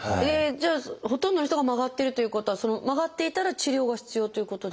じゃあほとんどの人が曲がってるということは曲がっていたら治療が必要ということですか？